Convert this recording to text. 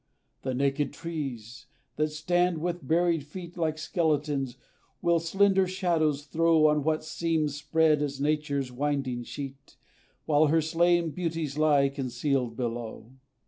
The naked trees, that stand with buried feet, Like skeletons, will slender shadows throw On what seems spread as nature's winding sheet, While her slain beauties lie concealed below.